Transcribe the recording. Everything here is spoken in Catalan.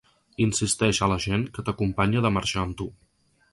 Insisteix a la gent que t’acompanya de marxar amb tu.